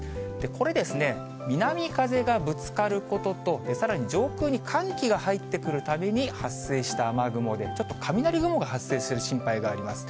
これですね、南風がぶつかることと、さらに上空に寒気が入ってくるために発生した雨雲で、ちょっと雷雲が発生する心配があります。